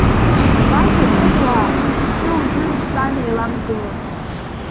Убас атәымуаа, зжьы ужәыр зтәан еиламгыло…